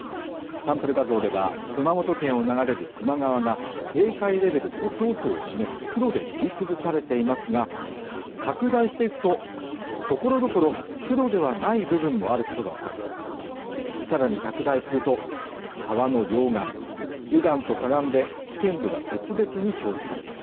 サンプル画像では熊本県を流れる球磨川が警戒レベル５相当を示す黒で塗り潰されていますが拡大していくとところどころ黒ではない部分もあることが分かりさらに拡大すると川の両岸右岸と左岸で危険度が別々に表示されます